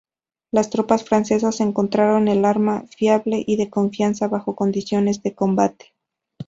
Las tropas francesas encontraron el arma fiable y de confianza bajo condiciones de combate.